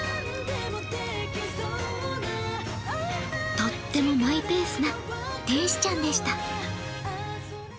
とってもマイペースな天使ちゃんでした。